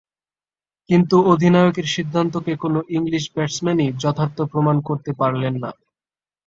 কিন্তু অধিনায়কের সিদ্ধান্তকে কোনো ইংলিশ ব্যাটসম্যানই যথার্থ প্রমাণ করতে পারলেন না।